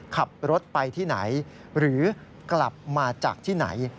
ขับรถไปที่ไหนหรือกลับมาจากที่ไหน